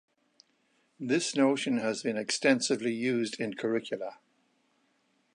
This notion has been extensively used in curricula.